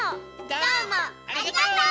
どうもありがとう！